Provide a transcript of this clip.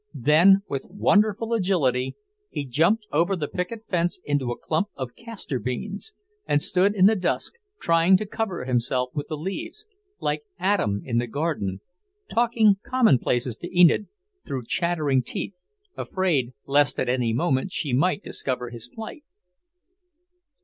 Then, with wonderful agility, he jumped over the picket fence into a clump of castor beans, and stood in the dusk, trying to cover himself with the leaves, like Adam in the garden, talking commonplaces to Enid through chattering teeth, afraid lest at any moment she might discover his plight.